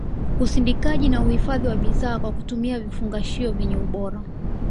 usindikaji na uhifadhi wa bidhaa kwa kutumia vifungashio vyenye ubora